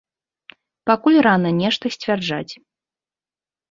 Пакуль рана нешта сцвярджаць.